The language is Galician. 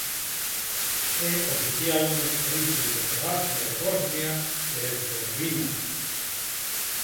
É oficial nos países de Croacia e Bosnia e Hercegovina.